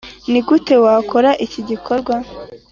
Ni gute Wakora iki gikorwa?